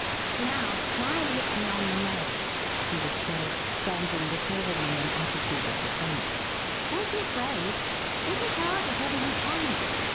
"Now, try and hit me on the nose," he would say, standing before them in an attitude of defence. "Don't be afraid. Hit as hard as ever you can."